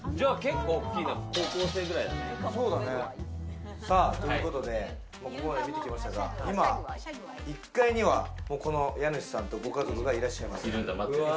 高校生ぐらいだね。ということで、ここまで見てきましたが、今１階には家主さんと、ご家族がいらっしゃいます。